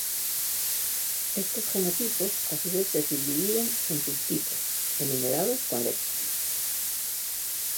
Estos genotipos a su vez se subdividen en subtipos enumerados con letras.